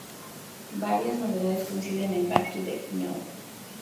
Varias novedades coinciden en Back to the Known.